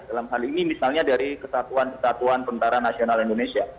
dalam hal ini misalnya dari kesatuan kesatuan tentara nasional indonesia